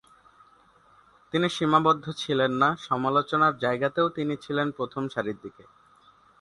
তিনি সীমাবদ্ধ ছিলেন না সমালোচনার জায়গাতেও তিনি ছিলেন প্রথম সারির দিকে।